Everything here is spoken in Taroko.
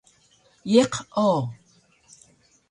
Iq o!